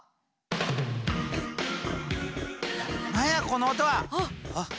何やこの音は？あっ！